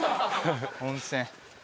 温泉。